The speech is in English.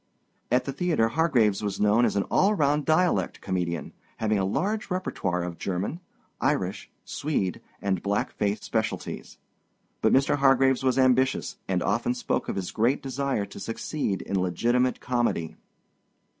At the theater Hargraves was known as an all round dialect comedian, having a large repertoire of German, Irish, Swede, and black face specialties. But Mr. Hargraves was ambitious, and often spoke of his great desire to succeed in legitimate comedy.